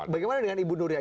bagaimana dengan ibu nuria